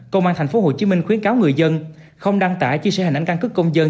công an tp hcm khuyến cáo người dân không đăng tải chia sẻ hình ảnh căn cức công dân